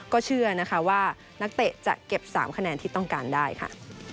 ก็เชื่อนะคะว่านักเตะจะเก็บ๓คะแนนที่ต้องการได้ค่ะ